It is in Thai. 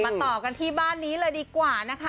ต่อกันที่บ้านนี้เลยดีกว่านะคะ